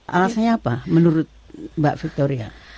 alasannya apa menurut mbak victoria